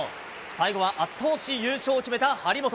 最後は圧倒し、優勝を決めた張本。